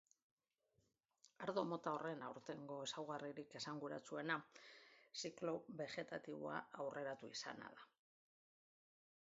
Ardo mota horren aurtengo ezaugarririk esanguratsuena ziklo begetatiboa aurreratu izana da.